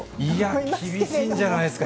いや、厳しいんじゃないですか。